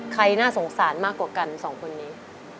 น่าสงสารมากกว่ากันสองคนนี้